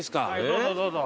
どうぞどうぞ。